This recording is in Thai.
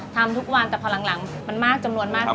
ทำทุกวันแต่พอหลังมันมากจำนวนมาก